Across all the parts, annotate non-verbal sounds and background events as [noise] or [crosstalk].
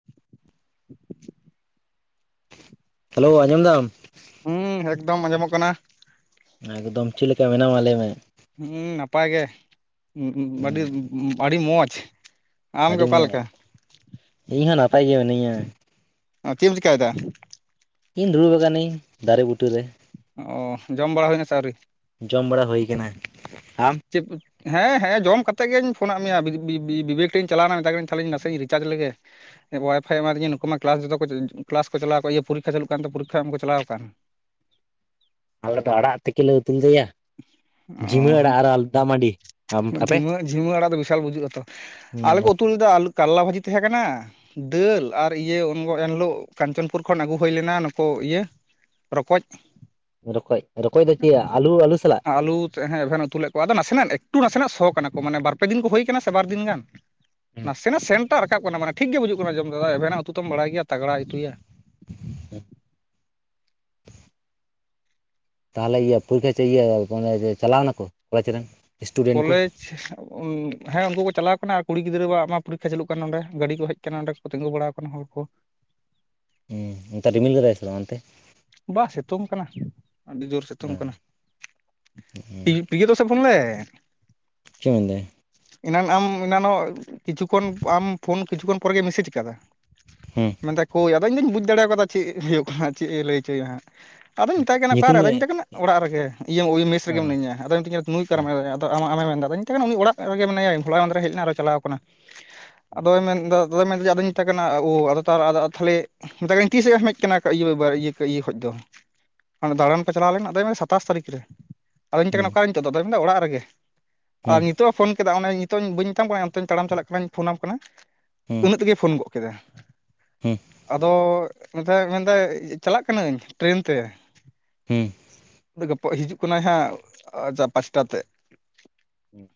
[inaudible] Hello ᱟᱸᱡᱚᱢ ᱫᱟᱢ? ᱦᱩᱸ ᱮᱠᱫᱚᱢ ᱟᱸᱡᱚᱢᱚᱜ ᱠᱟᱱᱟ ᱾ ᱮᱠᱫᱚᱢ ᱪᱮᱫ ᱞᱮᱠᱟ ᱢᱮᱱᱟᱢᱟ ᱞᱟᱹᱭ ᱢᱮ? ᱦᱩᱸ ᱱᱟᱯᱟᱭ ᱜᱮ ᱟᱹᱰᱤ ᱦᱩᱸ ᱟᱹᱰᱤ ᱢᱚᱸᱡᱽ ᱾ ᱟᱹᱰᱤ ᱢᱚᱸᱡᱽ, ᱤᱧ ᱦᱚᱸ ᱱᱟᱯᱟᱭ ᱜᱮ ᱢᱤᱱᱟᱹᱧᱟ ᱾ ᱚ ᱪᱤᱮᱢ ᱪᱤᱠᱟᱹᱭ ᱫᱟ? ᱤᱧ ᱫᱩᱲᱩᱵ ᱠᱟᱱᱤᱧ ᱫᱟᱨᱮ ᱵᱩᱴᱟᱹ ᱨᱮ ᱾ ᱚ ᱡᱚᱢ ᱵᱟᱲᱟ ᱦᱩᱭᱱᱟ ᱥᱮ ᱟᱣᱨᱤ? ᱡᱚᱢ ᱵᱟᱲᱟ ᱦᱩᱭ ᱟᱠᱟᱱᱟ ᱟᱢ ᱪᱮᱯᱼᱼ ᱦᱮᱸ ᱦᱮᱸ ᱡᱚᱢ ᱠᱟᱛᱮᱫ ᱜᱤᱧ ᱯᱷᱳᱱ ᱟᱫ ᱢᱮᱭᱟ ᱵᱤᱵᱮᱠ ᱴᱷᱮᱱᱤᱧ ᱪᱟᱞᱟᱣ ᱮᱱᱟ ᱢᱮᱛᱟᱭ ᱠᱟᱹᱱᱟᱹᱧ ᱛᱟᱦᱞᱮ ᱱᱟᱥᱮᱧ ᱨᱤᱪᱟᱨᱡᱽ ᱞᱮᱜᱮ ᱾ ᱮ ᱚᱣᱟᱭ ᱯᱷᱟᱭ ᱮᱢᱟ ᱫᱤᱧᱟᱹ ᱱᱩᱠᱩᱢᱟ ᱠᱞᱟᱥ ᱡᱚᱛᱚ ᱠᱚ ᱠᱞᱟᱥ ᱠᱚ ᱪᱟᱞᱟᱣ ᱟᱠᱟᱱ ᱤᱭᱟᱹ ᱯᱚᱨᱤᱠᱠᱷᱟ ᱪᱟᱞᱩᱜ ᱠᱟᱱ ᱛᱮ ᱯᱚᱨᱤᱠᱠᱷᱟ ᱮᱢ ᱠᱚ ᱪᱟᱞᱟᱣ ᱟᱠᱟᱱ ᱾ ᱟᱞᱮ ᱫᱚ ᱟᱲᱟᱜ ᱛᱮᱠᱮ ᱞᱮ ᱩᱛᱩ ᱞᱮᱫᱟᱭᱟ ᱾ ᱚ ᱡᱷᱤᱢᱟᱹ ᱟᱲᱟᱜ ᱟᱨ ᱟᱞᱩ ᱫᱟᱜ ᱢᱟᱼᱼ ᱡᱷᱤᱢᱟᱹ ᱡᱷᱤᱢᱟᱹ ᱟᱲᱟᱜ ᱫᱚ ᱵᱤᱥᱟᱞ ᱵᱩᱡᱩᱜ ᱟᱛᱚ ᱟᱞᱮ ᱠᱚ ᱦᱩᱸ ᱩᱛᱩ ᱞᱮᱫᱟ ᱟᱞᱩ ᱠᱟᱞᱞᱟ ᱵᱷᱟᱹᱡᱤ ᱛᱟᱦᱮᱸ ᱠᱟᱱᱟ ᱫᱟᱹᱞ ᱟᱨ ᱤᱭᱟᱹ ᱩᱱ ᱮᱱᱦᱤᱞᱳᱜ ᱠᱟᱧᱪᱚᱱᱯᱩᱨ ᱠᱷᱚᱱ ᱟᱹᱜᱩ ᱦᱩᱭ ᱞᱮᱱᱟ ᱱᱩᱠᱩ ᱤᱭᱟᱹ ᱨᱚᱠᱚᱡ ᱨᱚᱠᱚᱡ, ᱨᱚᱠᱚᱡ ᱫᱚ ᱪᱮᱫᱭᱟ ᱟᱞᱩ, ᱟᱞᱩ ᱥᱟᱞᱟᱜ ᱟᱞᱩ ᱟᱛᱮ ᱦᱮᱸ ᱮᱵᱷᱮᱱ ᱮ ᱩᱛᱩ ᱞᱮᱫ ᱠᱚᱣᱟ ᱟᱫᱚ ᱱᱟᱥᱮᱱᱟᱜ ᱮᱠᱴᱩ ᱱᱟᱥᱮᱱᱟᱜ ᱥᱚ ᱠᱟᱱᱟ ᱠᱚ ᱢᱟᱱᱮ ᱵᱟᱨ ᱯᱮ ᱫᱤᱱ ᱠᱚ ᱦᱩᱭ ᱟᱠᱟᱱᱟ ᱥᱮ ᱵᱟᱨ ᱫᱤᱱ ᱜᱟᱱ ᱾ ᱱᱟᱥᱮᱱᱟᱜ ᱥᱮᱱᱴ ᱴᱟᱜ ᱨᱟᱠᱟᱵ ᱠᱟᱱᱟ ᱢᱟᱱᱮ ᱴᱷᱤᱠ ᱜᱮ ᱵᱩᱡᱩᱜ ᱠᱟᱱᱟ ᱡᱚᱢ ᱨᱮᱫᱚ ᱮᱵᱷᱮᱱᱟᱜ ᱩᱛᱩ ᱛᱚᱢ ᱵᱟᱲᱟᱭ ᱜᱮᱭᱟ ᱛᱟᱜᱽᱲᱟᱭ ᱩᱛᱩᱭᱟ ᱾ [unintelligible] ᱛᱟᱦᱚᱞᱮ ᱤᱭᱟᱹ ᱯᱚᱨᱤᱠᱠᱷᱟ ᱪᱮ ᱤᱭᱟᱹ ᱡᱮ ᱪᱟᱞᱟᱣ ᱱᱟᱠᱚ ᱠᱚᱞᱮᱡᱽ ᱨᱮᱱ ᱥᱴᱩᱰᱮᱱᱴ ᱠᱚ ᱠᱚᱞᱮᱡᱽ ᱦᱮᱸ ᱩᱱᱠᱩ ᱠᱚ ᱪᱟᱞᱟᱣ ᱠᱟᱱᱟ ᱟᱨ ᱠᱩᱲᱤ ᱜᱤᱫᱽᱨᱟᱹ ᱣᱟᱜ ᱢᱟ ᱯᱚᱨᱤᱠᱠᱷᱟ ᱪᱟᱹᱞᱩᱜ ᱠᱟᱱᱟ ᱱᱚᱸᱰᱮ ᱜᱟᱹᱰᱤ ᱠᱚ ᱦᱮᱡᱼᱼ ᱠᱟᱱᱟ ᱚᱰᱸᱮ ᱠᱚ ᱛᱤᱸᱜᱩ ᱵᱟᱲᱟᱣ ᱟᱠᱟᱱᱟ ᱦᱚᱲ ᱠᱚ ᱦᱮᱸ ᱚᱱᱛᱮ ᱨᱤᱢᱤᱞ ᱠᱟᱫᱟᱭ ᱥᱮᱵᱟᱝ ᱚᱱᱛᱮ? ᱵᱟᱦ ᱥᱤᱛᱳᱝ ᱠᱟᱱᱟ ᱟᱹᱰᱤ ᱡᱳᱨ ᱥᱤᱛᱳᱝ ᱠᱟᱱᱟ ᱦᱩᱸ ᱯᱤᱜᱟᱹᱫᱚᱥᱮ ᱯᱷᱳᱱᱞᱮᱼᱼ ᱪᱮ ᱢᱮᱱᱫᱟᱭ ᱮᱱᱟᱱ ᱟᱢ ᱮᱱᱟᱱᱚᱜ ᱠᱤᱪᱷᱩ ᱠᱷᱚᱱ ᱟᱢ ᱯᱷᱳᱱ ᱠᱤᱪᱷᱩᱠᱷᱚᱱ ᱯᱚᱨᱮᱜᱮ ᱢᱮᱥᱮᱡ ᱟᱠᱟᱫᱟ ᱾ ᱦᱮᱸ ᱢᱮᱱᱫᱟᱭ ᱠᱳᱭ ᱟᱫᱚ ᱤᱧ ᱫᱩᱧ ᱵᱩᱡᱽ ᱫᱟᱲᱮᱣ ᱠᱟᱫᱟ ᱪᱮᱫ ᱦᱩᱭᱩᱜ ᱟᱦᱟᱸᱜ ᱪᱮᱫ ᱮ ᱞᱟᱹᱭ ᱦᱚᱪᱚᱭᱟ ᱦᱟᱸᱜ ᱟᱫᱩᱧ ᱢᱮᱛᱟᱭ ᱠᱟᱱᱟ ᱧᱩᱛᱩᱢ ᱚᱠᱟᱨᱮ? ᱟᱫᱚᱧ ᱦᱮᱸ ᱢᱮᱛᱟᱭ ᱠᱟᱱᱟ ᱚᱲᱟᱜ ᱨᱮᱜᱮ ᱤᱭᱟᱹ ᱳᱭ ᱢᱮᱥ ᱨᱮᱜᱮ ᱢᱤᱱᱟᱹᱧᱟ᱾ ᱟᱫᱚᱭ ᱢᱤᱛᱟᱹᱧ ᱠᱟᱱᱟ ᱱᱩᱭ ᱚᱠᱟᱨᱮ ᱢᱮᱱᱭ ᱠᱟᱫᱮᱭᱟ? ᱟᱢᱟᱜ ᱟᱢᱮ ᱢᱮᱱᱫᱟ ᱟᱫᱩᱧ ᱢᱮᱛᱟᱭ ᱠᱟᱱᱟ ᱩᱱᱤ ᱚᱲᱟᱜ ᱨᱮᱜᱮ ᱢᱮᱱᱟᱭᱟ ᱾ᱦᱳᱞᱟ ᱢᱟᱦᱫᱮᱨ ᱮ ᱦᱮᱡ ᱞᱮᱱᱟ ᱟᱨᱚᱭ ᱪᱟᱞᱟᱣ ᱟᱠᱟᱱᱟ᱾ᱟᱫᱚᱭ ᱢᱮᱱᱫᱟᱼᱼ ᱟᱫᱚᱭ ᱢᱮᱱᱫᱟ ᱡᱮ ᱟᱫᱚᱧ ᱢᱮᱛᱟᱭ ᱠᱟᱱᱟ ᱳ ᱟᱫᱚ ᱛᱟ ᱟᱫᱚ ᱛᱟᱦᱞᱮᱼᱼ ᱢᱮᱛᱟᱭ ᱠᱟᱹᱱᱟᱹᱧ ᱛᱤᱥᱮᱢ ᱦᱮᱡ ᱟᱠᱟᱱᱟ ᱤᱭᱟᱹ ᱤᱭᱟᱹ ᱤᱭᱟᱹ ᱠᱷᱚᱡ ᱫᱚ? ᱦᱟᱱᱮ ᱫᱟᱲᱟᱱ ᱯᱮ ᱪᱟᱞᱟᱣ ᱞᱮᱱ ᱟᱫᱚᱭ ᱢᱮᱱᱫᱟ ᱥᱟᱛᱟᱥ ᱛᱟᱹᱨᱤᱠᱷ ᱨᱮ ᱾ ᱟᱫᱚᱧ ᱢᱮᱛᱟᱭ ᱦᱮᱸ ᱠᱟᱱᱟ ᱚᱠᱟᱨᱮ ᱱᱤᱛᱳᱜ ᱫᱚ? ᱟᱫᱚᱭ ᱢᱮᱱᱫᱟ ᱚᱲᱟᱜ ᱨᱮᱜᱮ ᱾ ᱦᱮᱸ ᱟᱨ ᱱᱤᱛᱚᱜ ᱮ ᱯᱷᱳᱱ ᱠᱮᱫᱟ ᱚᱱᱮ ᱱᱤᱛᱚᱜ ᱤᱧ ᱵᱟᱹᱧ ᱢᱮᱛᱟᱢ ᱠᱟᱱᱟ ᱚᱱᱛᱮᱧ ᱛᱟᱲᱟᱢ ᱪᱟᱞᱟᱜ ᱠᱟᱹᱱᱟᱹᱧ ᱯᱷᱳᱱ ᱟᱢ ᱠᱟᱱᱟ ᱦᱮᱸ ᱩᱱᱟᱹᱜ ᱛᱮᱜᱮ ᱯᱷᱳᱱ ᱜᱚᱜ ᱠᱮᱫᱟ ᱦᱮᱸ ᱟᱫᱚ ᱮ ᱢᱮᱱᱫᱟᱭ ᱪᱟᱞᱟᱜ ᱠᱟᱹᱱᱟᱹᱧ ᱴᱨᱮᱱ ᱛᱮ ᱦᱮᱸ ᱜᱟᱯᱟ ᱦᱤᱡᱩᱜ ᱠᱟᱱᱟᱭ ᱦᱟᱸᱜ ᱟᱪᱪᱷᱟ ᱯᱟᱸᱪᱴᱟ ᱛᱮ ᱦᱩᱸ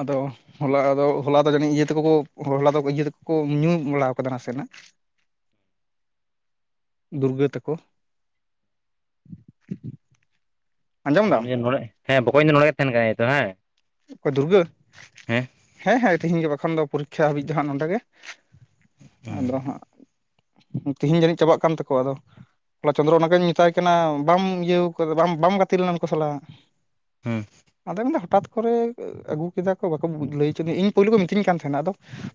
ᱟᱫᱚ ᱦᱚᱞᱟᱫᱚ ᱦᱚᱞᱟ ᱫᱚ ᱡᱟᱹᱱᱤᱡ ᱤᱭᱟᱹ ᱛᱮᱠᱚ ᱠᱚ ᱦᱚᱞᱟ ᱫᱚ ᱤᱭᱟᱹ ᱛᱮᱠᱚ ᱠᱚ ᱧᱩ ᱵᱟᱲᱟ ᱠᱟᱫᱟ ᱱᱟᱥᱮᱜ ᱫᱩᱨᱜᱟᱹ ᱛᱟᱠᱚ ᱟᱸᱡᱚᱢ ᱫᱟᱢ ᱱᱚᱰᱮ ᱦᱮᱸ ᱵᱚᱠᱚᱧ ᱫᱚ ᱱᱚᱰᱮ ᱜᱮ ᱛᱟᱦᱮᱱ ᱠᱟᱱᱟᱭ ᱛᱚ ᱵᱟᱝ ᱚᱠᱟᱭ ᱫᱩᱨᱜᱟᱹ ᱦᱮᱸ ᱦᱮᱸ ᱦᱮᱸ ᱛᱤᱦᱤᱧ ᱜᱟᱯᱟ ᱠᱷᱚᱱ ᱫᱚ ᱯᱚᱨᱤᱠᱠᱷᱟ ᱦᱟᱹᱵᱤᱡ ᱫᱚ ᱦᱟᱸᱜ ᱱᱚᱰᱮ ᱜᱮ ᱟᱫᱚ ᱦᱟᱸᱜ ᱦᱩᱸ ᱟᱫᱚ ᱦᱟᱸᱜ ᱛᱤᱦᱤᱧ ᱡᱟᱹᱱᱤᱡ ᱪᱟᱵᱟᱜ ᱠᱟᱱ ᱛᱟᱠᱚᱣᱟ ᱟᱫᱚ ᱦᱚᱞᱟ ᱪᱚᱱᱫᱨᱚ ᱚᱱᱟᱜᱮᱧ ᱢᱮᱛᱟᱭ ᱠᱟᱱᱟ ᱵᱟᱢ ᱤᱭᱟᱹ ᱠᱟᱫᱟ ᱵᱟᱢ ᱵᱟᱢ ᱜᱟᱛᱮ ᱞᱮᱱᱟ ᱩᱱᱠᱩ ᱥᱟᱞᱟᱜ ᱦᱮᱸ ᱟᱫᱚ ᱢᱮᱱᱫᱟ ᱦᱚᱴᱟᱛ ᱠᱚᱨᱮ ᱟᱹᱜᱩ ᱠᱮᱫᱟ ᱠᱚ ᱵᱟᱠᱚ ᱞᱟᱹᱭ ᱦᱚᱪᱚ ᱤᱧ ᱯᱳᱭᱞᱳ ᱠᱚ ᱢᱤᱛᱟᱹᱧ ᱠᱟᱱ ᱛᱟᱦᱮᱱᱟ ᱟᱫᱚ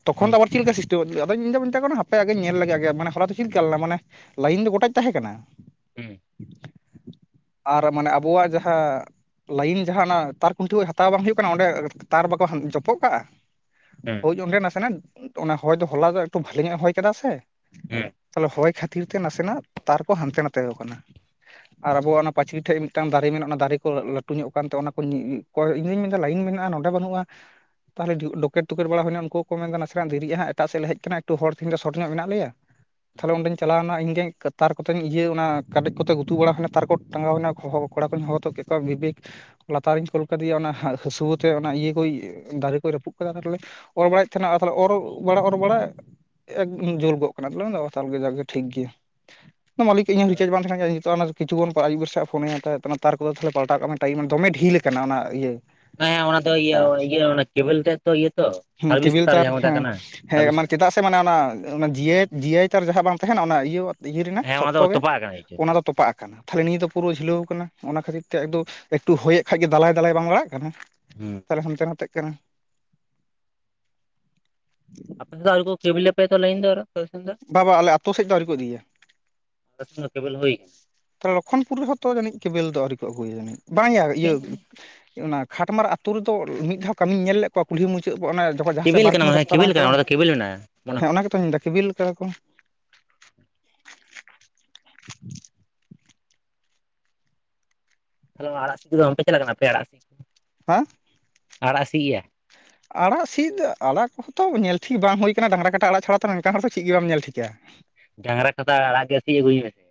ᱛᱚᱠᱷᱚᱱ ᱦᱩᱸ ᱫᱚ ᱟᱵᱟᱨ ᱪᱮᱫ ᱞᱮᱠᱟ ᱛᱚ ᱟᱫᱚᱧᱫᱚᱧ ᱢᱮᱛᱟᱜ ᱠᱟᱱᱟ ᱦᱟᱯᱮ ᱟᱜᱮᱧ ᱧᱮᱞ ᱞᱮᱜᱮ ᱟᱜᱮ ᱢᱟᱱᱮ ᱦᱚᱞᱟ ᱫᱚ ᱪᱮᱫᱞᱮᱠᱟ ᱞᱮᱱᱟ ᱢᱟᱱᱮ ᱞᱟᱭᱤᱱ ᱫᱚ ᱜᱚᱴᱟ ᱛᱟᱦᱮᱸ ᱠᱟᱱᱟ ᱦᱮᱸ᱾ ᱟᱨ ᱢᱟᱱᱮ ᱟᱵᱚᱣᱟᱜ ᱡᱟᱦᱟᱸ ᱞᱟᱭᱤᱱ ᱡᱟᱦᱟᱸ ᱚᱱᱟ ᱛᱟᱨᱠᱩᱱᱴᱷᱤ ᱠᱷᱚᱱ [unintelligible] ᱦᱟᱛᱟᱣ ᱵᱟᱝ ᱦᱩᱭᱩᱜ ᱠᱟᱱᱟ ᱚᱸᱰᱮ ᱛᱟᱨ ᱵᱟᱠᱚ ᱡᱚᱯᱚᱜ ᱠᱟᱜᱼᱟ ᱦᱮᱸ᱾ ᱦᱳᱭ ᱚᱸᱰᱮ ᱱᱟᱥᱮᱱᱟᱜ ᱚᱱᱟ ᱦᱚᱭ ᱫᱚ ᱦᱚᱞᱟ ᱫᱚ ᱮᱠᱴᱩ ᱵᱷᱟᱞᱤ ᱧᱚᱜ ᱮ ᱦᱚᱭ ᱟᱠᱟᱫᱟ ᱥᱮ ᱦᱮᱸ ᱛᱟᱦᱞᱮ ᱦᱚᱭ ᱠᱷᱟᱹᱛᱤᱨ ᱠᱷᱟᱛᱤᱨ ᱛᱮ ᱱᱟᱥᱮᱱᱟᱜ ᱛᱟᱨᱠᱚ ᱦᱟᱱᱛᱮ ᱱᱟᱛᱮ ᱟᱠᱟᱱᱟ ᱟᱨ ᱟᱵᱚᱣᱟᱜ ᱚᱱᱟ ᱯᱟᱹᱪᱨᱤ ᱴᱷᱮᱡ ᱢᱤᱫᱴᱟᱝ ᱫᱟᱨᱮ ᱢᱮᱱᱟᱜᱼᱟ ᱚᱱᱟ ᱫᱟᱨᱮ ᱠᱚ ᱞᱟᱹᱴᱩ ᱧᱚᱜ ᱟᱠᱟᱱᱛᱮ ᱚᱱᱟ ᱠᱚ [unintelligible] ᱤᱧ ᱫᱩᱧ ᱢᱮᱱᱮᱫᱟ ᱞᱟᱭᱤᱱ ᱢᱮᱱᱟᱜᱼᱟ ᱱᱚᱸᱰᱮ ᱵᱟᱹᱱᱩᱜᱼᱟ ᱛᱟᱦᱚᱞᱮ ᱰᱚᱠᱮᱴ ᱛᱩᱠᱮᱴ ᱵᱟᱲᱟ ᱦᱩᱭᱮᱱᱟ ᱩᱱᱠᱩ ᱠᱚᱠᱚ ᱢᱮᱱᱮᱫᱟ ᱱᱟᱥᱮᱱᱟᱜ ᱫᱮᱨᱤᱜ-ᱟ ᱦᱟᱜ ᱮᱴᱟᱜ ᱥᱮᱫ ᱞᱮ ᱦᱮᱡ ᱟᱠᱟᱱᱟ ᱮᱠᱴᱩ ᱦᱚᱲ ᱛᱮᱦᱮᱧ ᱫᱚ ᱥᱚᱴ ᱧᱚᱜ ᱢᱮᱱᱟᱜ ᱞᱮᱭᱟ ᱛᱟᱦᱚᱞᱮ ᱚᱸᱰᱮᱧ ᱪᱟᱞᱟᱣ ᱮᱱᱟ ᱤᱧ ᱜᱮ ᱛᱟᱨ ᱠᱚᱛᱮᱧ ᱤᱭᱟᱹ ᱚᱱᱟ ᱠᱟᱰᱮᱡ ᱠᱚᱛᱮ ᱜᱩᱛᱩ ᱵᱟᱲᱟ ᱦᱩᱭᱱᱟ ᱛᱟᱨ ᱠᱚ ᱴᱟᱸᱜᱟᱣ ᱦᱩᱭᱮᱱᱟ [unintelligible] ᱠᱚᱲᱟ ᱠᱩᱧ ᱦᱚᱦᱚᱛᱚᱫ ᱠᱮᱫ ᱠᱚᱣᱟ ᱵᱤᱵᱮᱠ ᱞᱟᱛᱟᱨᱤᱧ ᱠᱩᱞ ᱟᱠᱟᱫᱮᱭᱟ ᱚᱱᱟ ᱦᱟᱹᱥᱣᱟᱹ ᱛᱮ ᱚᱱᱟ ᱤᱭᱟᱹ ᱠᱚ ᱫᱟᱨᱮ ᱠᱚᱭ ᱨᱟᱹᱯᱩᱫ ᱠᱟᱫᱟ ᱛᱟᱦᱞᱮ ᱚᱨ ᱵᱟᱲᱟᱭᱮᱫ ᱛᱟᱦᱮᱱᱟ ᱛᱟᱦᱚᱞᱮ ᱚᱨ ᱵᱟᱲᱟ ᱚᱨ ᱵᱟᱲᱟ ᱮᱠ ᱡᱩᱞ ᱜᱚᱫ ᱠᱟᱱᱟ [unintelligible] ᱢᱮᱱᱫᱟ ᱡᱟᱜ ᱜᱮ ᱴᱷᱤᱠ ᱜᱮᱭᱟ ᱢᱟᱹᱞᱤᱠ ᱤᱧ ᱦᱚᱸ ᱨᱤᱪᱟᱨᱡᱽ ᱵᱟᱝ ᱛᱟᱦᱮᱱᱟ ᱱᱤᱛᱚᱜ ᱚᱱᱟ ᱠᱤᱪᱷᱩ ᱠᱷᱚᱱ ᱟᱭᱩᱵ ᱵᱮᱲ ᱥᱮᱫ ᱯᱷᱚᱱᱮ ᱦᱟᱛᱟᱣᱮᱫ ᱠᱟᱱᱟ ᱛᱟᱨ ᱠᱚᱫᱚ ᱛᱟᱦᱚᱞᱮ ᱯᱟᱞᱴᱟᱣᱟᱜ ᱢᱮ ᱴᱟᱭᱤᱢ ᱫᱚᱢᱮ ᱰᱷᱤᱞ ᱟᱠᱟᱱᱟ ᱚᱱᱟ ᱤᱭᱟᱹ ᱦᱮᱸ ᱦᱮᱸ ᱚᱱᱟ ᱫᱚ ᱤᱭᱟᱹ ᱛᱟᱨ [unintelligible] ᱚᱱᱟ ᱠᱮᱵᱮᱞ ᱨᱮᱭᱟᱜ ᱛᱚ ᱤᱭᱟᱹ ᱛᱚ ᱦᱩᱸ ᱥᱟᱨᱵᱷᱤᱥ ᱠᱮᱵᱮᱞ ᱛᱟᱨ ᱡᱟᱦᱟᱸ ᱢᱮᱛᱟᱜ ᱦᱮᱸ ᱠᱟᱱᱟ ᱦᱮᱸ ᱥᱟᱨᱵᱷᱤᱥ ᱢᱟᱱᱮ ᱛᱟᱨ ᱪᱮᱫᱟᱜ ᱢᱟᱱᱮ ᱚᱱᱟ ᱡᱤᱭᱟᱹ ᱡᱤᱭᱟᱹᱭ ᱛᱟᱨ ᱡᱟᱦᱟᱸ ᱵᱟᱝ ᱛᱟᱦᱮᱱᱟ ᱚᱱᱟ ᱤᱭᱟᱹ ᱤᱭᱟᱹ ᱨᱮᱱᱟᱜ ᱦᱮᱸ ᱚᱱᱟ ᱫᱚ ᱥᱚᱠᱛᱚ ᱜᱮ ᱛᱚᱯᱟᱜ ᱟᱠᱟᱱᱟ ᱪᱮ ᱚᱱᱟ ᱫᱚ ᱛᱚᱯᱟᱜ ᱟᱠᱟᱱᱟ ᱛᱟᱦᱚᱞᱮ ᱱᱤᱭᱟᱹ ᱫᱚ ᱯᱩᱨᱟᱹ ᱡᱷᱤᱞᱟᱹᱣ ᱟᱠᱟᱱᱟ ᱚᱱᱟ ᱠᱷᱟᱹᱛᱤᱨ ᱛᱮ ᱮᱠᱴᱩ ᱦᱚᱭᱮᱫ ᱠᱷᱟᱡ ᱜᱮ ᱫᱟᱞᱟᱭ ᱫᱟᱞᱟᱭ ᱵᱟᱝ ᱞᱟᱲᱟᱜ ᱠᱟᱱᱟ᱾ ᱦᱮᱸ᱾ ᱛᱟᱦᱚᱞᱮ ᱦᱟᱱᱛᱮ ᱱᱟᱛᱮᱫ ᱠᱟᱱᱟ᱾ ᱟᱯᱮ ᱥᱮᱫ ᱫᱚ ᱟᱣᱨᱤ ᱠᱮᱵᱮᱞ ᱟᱯᱮᱭᱟ ᱞᱟᱭᱤᱱ ᱫᱚ ᱟᱨᱚ ᱵᱟ-ᱵᱟ ᱟᱞᱮ ᱟᱛᱳ ᱥᱮᱫ ᱫᱚ ᱟᱹᱣᱨᱤ ᱠᱚ ᱤᱫᱤᱭᱟ᱾ ᱟᱞᱮ ᱥᱮᱱ ᱫᱚ ᱠᱮᱵᱮᱞ ᱦᱩᱭ ᱟᱠᱟᱱᱟ᱾ ᱛᱟᱦᱚᱞᱮ ᱞᱚᱠᱠᱷᱚᱱᱯᱩᱨ ᱨᱮᱦᱚᱸ ᱛᱚ ᱡᱟᱹᱱᱤᱡ ᱠᱮᱵᱮᱞ ᱫᱚ ᱟᱹᱣᱨᱤ ᱠᱚ ᱟᱹᱜᱩᱭᱟ ᱡᱟᱹᱱᱤᱡ ᱵᱟᱝᱭᱟ ᱤᱭᱟᱹ ᱟᱠᱟᱱᱟ ᱚᱱᱟ ᱠᱷᱟᱴᱢᱟᱨᱟᱜ ᱟᱹᱛᱩ ᱨᱮᱫᱚ ᱢᱤᱫ ᱫᱷᱟᱣ ᱠᱟᱹᱢᱤᱧ ᱧᱮᱞ ᱞᱮᱫ ᱠᱚᱣᱟ ᱠᱩᱞᱦᱤ ᱢᱩᱪᱟᱹᱫ ᱠᱚ ᱚᱱᱟ ᱡᱚᱠᱷᱚᱡ ᱡᱟᱦᱟᱸ ᱥᱮᱫ ᱠᱮᱵᱮᱞ ᱠᱟᱱᱟ ᱵᱟᱨᱠᱩᱱᱟᱹ ᱢᱟᱱᱮ ᱨᱟᱥᱛᱟ ᱵᱟᱝ ᱠᱮᱵᱮᱞ ᱠᱟᱱᱟ ᱚᱸᱰᱮ ᱪᱟᱞᱟᱣᱮᱱᱟ ᱫᱚ ᱠᱮᱵᱮᱞ ᱢᱮᱱᱟᱜᱼᱟ ᱢᱚᱱᱮ ᱦᱮᱸ ᱦᱚᱭ ᱚᱱᱟ ᱜᱮᱛᱚᱧ ᱢᱮᱱ ᱮᱫᱟ ᱠᱮᱵᱤᱞ ᱟᱠᱟᱫᱟ ᱠᱚ᱾ ᱛᱟᱦᱚᱞᱮ ᱟᱲᱟᱜ ᱥᱤᱫ ᱠᱚᱫᱚ ᱵᱟᱝᱯᱮ ᱪᱟᱞᱟᱣ ᱟᱠᱟᱱᱟ ᱟᱯᱮ ᱟᱲᱟᱜ ᱥᱤᱫ? ᱦᱟᱸ ᱟᱲᱟᱜ ᱥᱤᱫ ᱭᱟ ᱟᱲᱟᱜ ᱥᱤᱫ ᱫᱚ ᱟᱲᱟᱜ ᱠᱚᱦᱚᱛᱚ ᱧᱮᱞ ᱴᱷᱤᱠ ᱵᱟᱝ ᱦᱩᱭ ᱠᱟᱱᱟ ᱰᱟᱝᱨᱟ ᱠᱟᱴᱟ ᱟᱲᱟᱜ ᱪᱷᱟᱲᱟ ᱛᱚ ᱱᱮᱝᱠᱟᱱ ᱦᱚᱲ ᱫᱚ ᱪᱮᱫ ᱜᱮ ᱵᱟᱢ ᱧᱮᱞ ᱴᱷᱤᱠᱟ᱾ ᱰᱟᱝᱽᱨᱟ ᱠᱟᱴᱟ ᱟᱲᱟᱜ ᱜᱮ ᱥᱤᱫ ᱟᱹᱜᱩᱭ ᱢᱮᱥᱮ᱾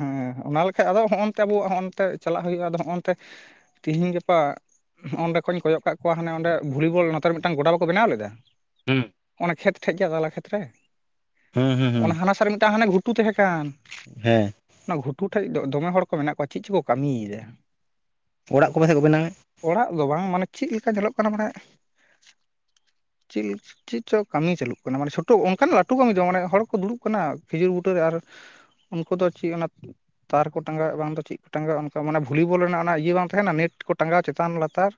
ᱦᱮᱸ ᱚᱱᱟ ᱞᱮᱠᱷᱟᱱ ᱟᱫᱚ ᱱᱚᱸᱜᱼᱚ ᱱᱚᱛᱮ ᱟᱵᱚᱣᱟᱜ ᱱᱚᱸᱜᱼᱚ ᱱᱚᱛᱮ ᱪᱟᱞᱟᱜ ᱦᱩᱭᱩᱜᱼᱟ ᱟᱫᱚ ᱱᱚᱸᱜᱼᱚ ᱱᱚᱛᱮ ᱛᱮᱦᱮᱧ ᱜᱟᱯᱟ ᱱᱚᱜ-ᱚ ᱱᱚᱸᱰᱮ ᱠᱷᱚᱱ ᱤᱧ ᱠᱚᱭᱚᱜ ᱟᱠᱟᱜ ᱠᱚᱣᱟ ᱦᱟᱱᱮᱸ ᱵᱷᱚᱞᱤᱵᱚᱞ ᱱᱚᱛᱮ ᱨᱮ ᱢᱤᱫᱴᱟᱝ ᱜᱚᱰᱟ ᱵᱟᱠᱚ ᱵᱮᱱᱟᱣ ᱞᱮᱫᱟ ᱦᱩᱸ ᱚᱱᱮ ᱠᱷᱮᱛ ᱴᱷᱮᱡ ᱜᱮᱭᱟ ᱛᱟᱞᱟ ᱠᱷᱮᱛ ᱨᱮ ᱦᱩᱸ ᱦᱩᱸ ᱦᱩᱸ ᱚᱱᱟ ᱦᱟᱱᱟ ᱥᱟᱨ ᱨᱮ ᱢᱤᱫᱴᱟᱝ ᱦᱟᱱᱟ ᱜᱷᱩᱴᱩ ᱛᱟᱦᱮᱸ ᱠᱟᱱ ᱦᱮᱸ᱾ ᱚᱱᱟ ᱜᱷᱩᱴᱩ ᱴᱷᱮᱱ ᱫᱚᱢᱮ ᱦᱚᱲ ᱠᱚ ᱢᱮᱱᱟᱜ ᱠᱚᱣᱟ ᱪᱮᱫ ᱪᱚᱠᱚ ᱠᱟᱹᱢᱤ ᱮᱫᱟ᱾ ᱚᱲᱟᱜ ᱠᱚ ᱯᱟᱥᱮᱫ ᱠᱚ ᱵᱮᱱᱟᱣ ᱮᱫ ᱚᱲᱟᱜ ᱫᱚ ᱵᱟᱝ ᱢᱟᱱᱮ ᱪᱮᱫ ᱞᱮᱠᱟ ᱧᱮᱞᱚᱜ ᱠᱟᱱᱟ ᱢᱟᱱᱮ [unintelligible] ᱪᱮᱫ ᱪᱮᱫ ᱪᱚᱝ ᱠᱟᱹᱢᱤ ᱪᱟᱹᱞᱩᱜ ᱠᱟᱱᱟ ᱢᱟᱱᱮ ᱪᱷᱳᱴᱳ ᱚᱱᱠᱟᱱ ᱞᱟᱹᱴᱩ ᱠᱟᱹᱢᱤ ᱫᱚ ᱵᱟᱝ ᱢᱟᱱᱮ ᱦᱚᱲ ᱠᱚ ᱫᱩᱲᱩᱵ ᱠᱟᱱᱟ ᱠᱷᱤᱡᱩᱨ ᱵᱩᱴᱟᱹᱨᱮ ᱟᱨ ᱩᱱᱠᱩ ᱫᱚ ᱪᱮᱫ ᱚᱱᱟ ᱛᱟᱨ ᱠᱚ ᱴᱟᱸᱜᱟᱣ ᱮᱫ ᱵᱟᱝ ᱫᱚ ᱪᱮᱫ ᱠᱚ ᱴᱟᱸᱜᱟᱣ ᱚᱱᱠᱟ ᱢᱟᱱᱮ ᱵᱷᱚᱞᱤ ᱵᱚᱞ ᱨᱮᱱᱟᱜ ᱚᱱᱟ ᱤᱭᱟᱹ ᱵᱟᱝ ᱛᱟᱦᱮᱱᱟ ᱱᱮᱴ ᱠᱚ ᱴᱟᱸᱜᱟᱣ ᱪᱮᱛᱟᱱ ᱞᱟᱛᱟᱨ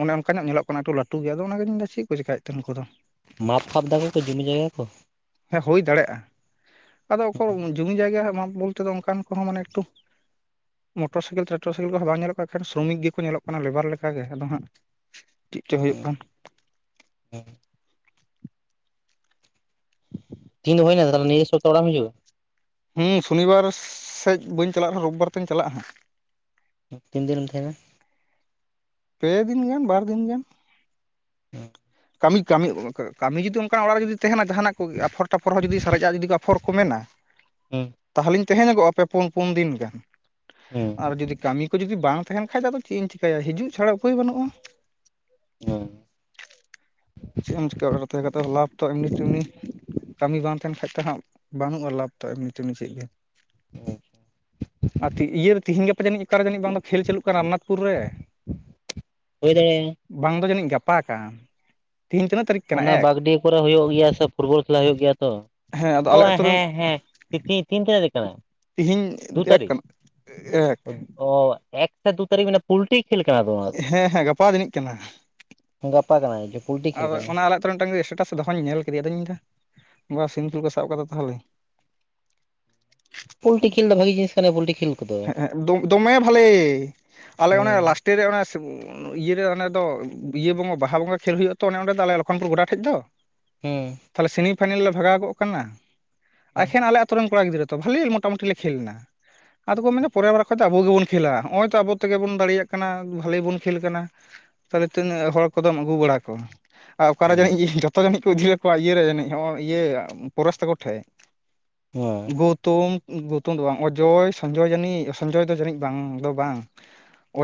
ᱚᱱᱮ ᱚᱱᱠᱟ ᱧᱚᱜ ᱧᱮᱞᱚᱜ ᱠᱟᱱᱟ ᱮᱠᱴᱩ ᱞᱟᱹᱴᱩ ᱜᱮ ᱟᱫᱚ ᱚᱱᱟᱜᱮᱧ ᱢᱮᱱᱫᱟ ᱪᱮᱫ ᱠᱚ ᱪᱤᱠᱟᱹᱭᱮᱫ ᱛᱮ ᱩᱱᱠᱩ ᱫᱚ ᱢᱟᱯ ᱯᱷᱟᱯ ᱮᱫᱟᱠᱚ ᱠᱚ ᱡᱚᱢᱤ ᱡᱟᱭᱜᱟ ᱠᱚ ᱦᱮᱸ ᱦᱩᱭ ᱫᱟᱲᱮᱭᱟᱜᱼᱟ ᱟᱫᱚ ᱚᱠᱚᱭ ᱡᱚᱢᱤ ᱡᱟᱭᱜᱟ ᱨᱮᱭᱟᱜ ᱢᱟᱯ ᱵᱚᱞᱛᱮ ᱫᱚ ᱚᱱᱠᱟᱱ ᱠᱚᱦᱚᱸ ᱢᱟᱱᱮ ᱮᱠᱴᱩ ᱢᱚᱴᱚᱨ ᱥᱟᱭᱠᱮᱞ [unintelligible] [unintelligible] ᱠᱚᱦᱚᱸ ᱵᱟᱝ ᱧᱮᱞᱚᱜ ᱠᱟᱱᱟ ᱮᱠᱷᱮᱱ ᱥᱨᱚᱢᱤᱠ ᱜᱮᱠᱚ ᱧᱮᱞᱚᱜ ᱠᱟᱱᱟ ᱞᱮᱵᱟᱨ ᱞᱮᱠᱟᱜᱮ ᱟᱫᱚ ᱦᱟᱸᱜ ᱪᱮᱫ ᱪᱚᱝ ᱦᱩᱭᱩᱜ ᱠᱟᱱ ᱦᱮᱸ᱾ ᱫᱤᱱ ᱫᱚ ᱦᱩᱭᱱᱟ ᱛᱟᱦᱚᱞᱮ ᱱᱤᱭᱟᱹ ᱥᱚᱯᱛᱟᱦᱚ ᱚᱲᱟᱜ ᱮᱢ ᱦᱤᱡᱩᱜᱼᱟ? ᱦᱩᱸ ᱥᱚᱱᱤᱵᱟᱨ ᱥᱮᱡ ᱵᱟᱹᱧ ᱪᱟᱞᱟᱜ. ᱨᱮᱦᱚᱸ ᱨᱳᱵᱵᱟᱨ ᱛᱤᱧ ᱪᱟᱞᱟᱜᱼᱟ ᱛᱤᱱ ᱫᱤᱱ ᱮᱢ ᱛᱟᱦᱮᱱᱟ ᱯᱮ ᱫᱤᱱ ᱜᱟᱱ ᱵᱟᱨ ᱫᱤᱱ ᱜᱟᱱ ᱠᱟᱹᱢᱤ ᱠᱟᱹᱢᱤ ᱠᱟᱹᱢᱤ ᱡᱩᱫᱤ ᱚᱱᱠᱟᱱᱟᱜ ᱚᱲᱟᱜ ᱨᱮ ᱡᱩᱫᱤ ᱛᱟᱦᱮᱱᱟ ᱡᱟᱦᱟᱱᱟᱜ ᱠᱚ ᱟᱯᱷᱚᱨ ᱴᱟᱯᱷᱚᱨ ᱦᱚᱸ ᱡᱩᱫᱤ ᱥᱟᱨᱮᱡᱼᱟ ᱡᱩᱫᱤ ᱟᱯᱷᱚᱨ ᱠᱚ ᱢᱮᱱᱟ ᱦᱮᱸ ᱛᱟᱦᱚᱞᱮᱧ ᱛᱟᱦᱮᱸ ᱧᱚᱜᱚᱜᱼᱟ ᱯᱮ ᱯᱩᱱ ᱯᱩᱱ ᱫᱤᱱ ᱜᱟᱱ ᱟᱨ ᱦᱩᱸ ᱡᱩᱫᱤ ᱠᱟᱹᱢᱤ ᱠᱚ ᱡᱩᱫᱤ ᱵᱟᱝ ᱛᱟᱦᱮᱱ ᱠᱷᱟᱡ ᱟᱫᱚ ᱪᱮᱫ ᱤᱧ ᱪᱤᱠᱟᱹᱭᱟ ᱦᱤᱡᱩᱜ ᱪᱷᱟᱲᱟ ᱩᱯᱟᱹᱭ ᱵᱟᱹᱱᱩᱜᱼᱟ [unintelligible] ᱪᱮᱫ ᱮᱢ ᱪᱮᱠᱟ ᱟᱨ ᱛᱟᱦᱮᱸ ᱠᱟᱛᱮ ᱞᱟᱵᱷ ᱛᱚ ᱮᱢᱱᱤ ᱛᱮᱢᱱᱤ ᱠᱟᱹᱢᱤ ᱵᱟᱝ ᱛᱟᱦᱮᱱ ᱠᱷᱟᱡ ᱫᱚᱦᱟᱸᱜ ᱵᱟᱹᱱᱩᱜᱼᱟ ᱞᱟᱵᱷ ᱛᱚ ᱮᱢᱱᱤ ᱛᱮᱱᱤ ᱪᱮᱫ ᱜᱮ ᱟᱨ ᱤᱭᱟᱹᱨᱮ ᱛᱮᱦᱤᱧ ᱜᱟᱯᱟ ᱡᱟᱹᱱᱤᱡ ᱚᱠᱟᱨᱮ ᱡᱟᱹᱱᱤᱡ ᱵᱟᱝ ᱫᱚ ᱠᱷᱮᱞ ᱪᱟᱹᱞᱩᱜ ᱠᱟᱱᱟ ᱨᱟᱢᱱᱟᱛᱷᱯᱩᱨ ᱨᱮ ᱦᱳᱭ ᱫᱟᱲᱮᱭᱟᱜ - ᱟ ᱵᱟᱝ ᱫᱚ ᱡᱟᱹᱱᱤᱡ ᱜᱟᱯᱟ ᱠᱟᱱ ᱛᱤᱦᱤᱱ ᱛᱤᱱᱟᱜ ᱚᱱᱟ ᱵᱟᱜᱽᱰᱤ ᱠᱚᱨᱮ ᱦᱩᱭᱩᱜ ᱜᱮᱭᱟ ᱥᱮ ᱯᱷᱩᱴᱵᱚᱞ ᱠᱷᱮᱞᱟ ᱦᱩᱭᱩᱜ ᱜᱮᱭᱟ ᱛᱚ ᱦᱮᱸ ᱟᱫᱚ ᱟᱞᱮ ᱟᱛᱳ ᱨᱮᱱ ᱦᱮᱸ ᱦᱮᱸ ᱛᱤᱱ [unintelligible] ᱨᱮ ᱠᱟᱱᱟ ᱛᱤᱦᱤᱧ ᱫᱩ ᱮᱠ ᱛᱟᱹᱨᱤᱠᱷ ᱠᱟᱱᱟ ᱮᱠ ᱚ ᱮᱠ ᱥᱮ ᱫᱩ ᱛᱟᱹᱨᱤᱠᱷ ᱢᱟᱱᱮ ᱯᱩᱞᱴᱤ ᱠᱷᱮᱞ ᱠᱟᱱᱟ ᱛᱚ ᱚᱱᱟ ᱫᱚ ᱦᱮᱸ ᱦᱮᱸ ᱜᱟᱯᱟ ᱡᱟᱹᱱᱤᱡ ᱠᱟᱱᱟ ᱜᱟᱯᱟ ᱠᱟᱱᱟ ᱡᱟᱱᱤᱡ ᱯᱩᱞᱴᱤ ᱠᱷᱮᱞ ᱟᱨ ᱠᱟᱱᱟᱹᱭ ᱚᱱᱟ ᱟᱞᱮ ᱟᱛᱳ ᱢᱤᱫᱴᱟᱝ ᱮᱥᱴᱮᱴᱟᱥ ᱫᱚᱦᱚᱧ ᱧᱮᱞ ᱠᱮᱫᱮ ᱟᱫᱚᱧ ᱢᱮᱱ ᱮᱫᱟ ᱱᱚᱣᱟ ᱥᱤᱢᱯᱤᱞ ᱠᱚ ᱥᱟᱵ ᱠᱟᱫᱟ ᱛᱟᱦᱚᱞᱮ [inaudible] ᱯᱳᱞᱴᱤ ᱠᱷᱮᱞ ᱫᱚ ᱵᱷᱟᱜᱤ ᱡᱤᱱᱤᱥ ᱠᱟᱱᱟ ᱯᱳᱞᱴᱤ ᱠᱷᱮᱞ ᱠᱚᱫᱚ ᱦᱮᱸ ᱫᱚᱢᱮ ᱵᱷᱟᱞᱮ ᱟᱞᱮ ᱚᱱᱮ ᱦᱩᱸ ᱞᱟᱥᱴᱮ ᱨᱮ ᱚᱱᱮ ᱤᱭᱟᱹᱨᱮ ᱮ ᱫᱚ ᱤᱭᱟᱹ ᱵᱚᱸᱜᱟ ᱵᱟᱦᱟ ᱵᱚᱸᱜᱟ ᱠᱷᱮᱞ ᱦᱩᱭᱩᱜ ᱛᱚ ᱛᱚ ᱚᱱᱸᱰᱮ ᱟᱞᱮ ᱞᱚᱠᱷᱚᱱᱯᱩᱨ ᱜᱚᱰᱟ ᱴᱷᱮᱡ ᱫᱚ ᱦᱮᱸ ᱛᱟᱦᱚᱞᱮ ᱥᱮᱢᱤ ᱯᱷᱟᱭᱱᱮᱞ ᱞᱮ ᱵᱷᱟᱜᱟᱣ ᱠᱚᱜ ᱠᱟᱱᱟ ᱦᱩᱸ ᱮᱠᱷᱮᱱ ᱟᱞᱮ ᱟᱛᱳ ᱨᱮᱱ ᱠᱚᱲᱟ ᱜᱤᱫᱽᱨᱟᱹ ᱛᱚ ᱵᱷᱟᱞᱮ ᱢᱚᱴᱟᱢᱩᱴᱤ ᱞᱮ ᱠᱷᱮᱞ ᱫᱟ ᱟᱫᱚ ᱠᱚ ᱢᱮᱱ ᱮᱫᱟ ᱯᱚᱨᱮᱨ ᱵᱟᱨ ᱠᱷᱟᱡ ᱫᱚ ᱟᱵᱚ ᱜᱮᱵᱚᱱ ᱠᱷᱮᱞᱟ ᱱᱚᱜᱼᱚᱭ ᱛᱚ ᱟᱵᱚ ᱛᱮᱜᱮ ᱵᱚᱱ ᱫᱟᱲᱮᱭᱟᱜ ᱠᱟᱱᱟ ᱵᱷᱟᱞᱤ ᱵᱚᱱ ᱠᱷᱮᱞ ᱠᱟᱱᱟ ᱛᱟᱦᱚᱞᱮ ᱛᱤᱱᱟᱹᱜ ᱦᱚᱲ ᱠᱚᱫᱚᱢ ᱟᱹᱜᱩ ᱵᱟᱲᱟ ᱠᱚᱣᱟ ᱟᱨ ᱚᱠᱟᱨᱮ ᱡᱟᱹᱱᱤᱡ ᱤᱭᱟᱹ ᱡᱚᱛᱚ ᱡᱟᱹᱱᱤᱡ ᱠᱚ ᱤᱫᱤ ᱞᱮᱫ ᱠᱚᱣᱟ ᱤᱭᱟᱹᱨᱮ ᱡᱟᱹᱱᱤᱡ ᱤᱭᱟᱹ ᱯᱚᱨᱚᱥ ᱛᱟᱠᱚ ᱴᱷᱮᱫ ᱦᱩᱸ ᱜᱩᱫᱽ ᱛᱩᱝ ᱜᱩᱛᱩᱢ ᱫᱚ ᱵᱟᱝ ᱚᱡᱚᱭ ᱥᱚᱧᱡᱚᱭ ᱡᱟᱹᱱᱤᱡ ᱥᱚᱧᱡᱚᱭ ᱫᱚ ᱡᱟᱹᱱᱤᱡ ᱵᱟᱝ ᱫᱚ ᱵᱟᱝ